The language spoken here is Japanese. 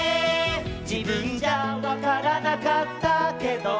「じぶんじゃわからなかったけど」